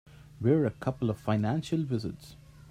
We're a couple of financial wizards.